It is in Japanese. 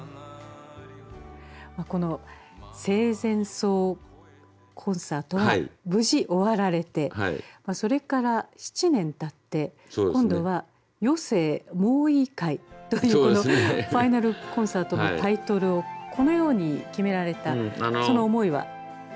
この生前葬コンサートは無事終わられてそれから７年たって今度は「余生、もういいかい」というこのファイナル・コンサートのタイトルをこのように決められたその思いは？